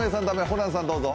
ホランさん、どうぞ。